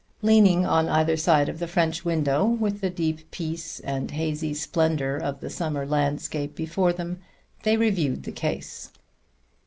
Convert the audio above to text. Leaning on either side of the French window, with the deep peace and hazy splendor of the summer landscape before them, they reviewed the case.